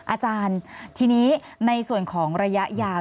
อาจารย์ทีนี้ในส่วนของระยะยาว